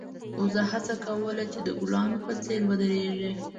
وزه هڅه کوله چې د ګلانو په څېر ودرېږي.